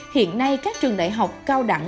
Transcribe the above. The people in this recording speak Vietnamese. hiện nay các trường đại học cao đẳng